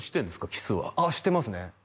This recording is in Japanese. キスはああしてますね